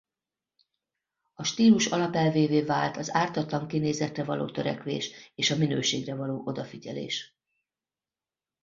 A stílus alapelvévé vált az ártatlan kinézetre való törekvés és a minőségre való odafigyelés.